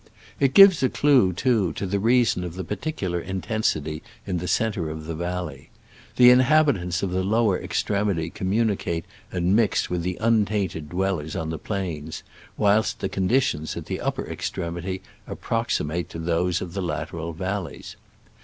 It gives a clue, too, to the rea son of the particular intensity in the centre of the valley. The inhabitants of the lower extremity communicate and mix with the untainted dwellers on the plains, whilst the conditions at the up per extremity approximate to those of the lateral valleys.